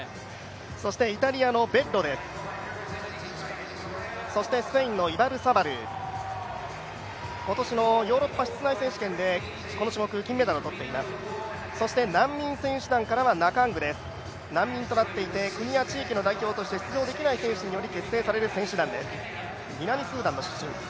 そしてイタリアのベッロです、スペインのイバルサバル今年のヨーロッパ室内選手権でこの種目、金メダルとっています、そして難民選手団からはナカングです、難民となっていて、国や地域の選手として出場できない選手で結成される選手団です。